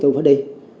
tôi phải đi